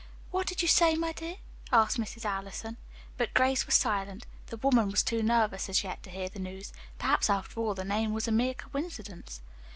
"What did you say, my dear?" asked Mrs. Allison. But Grace was silent. The woman was too nervous as yet to hear the news. Perhaps after all the name was a mere coincidence.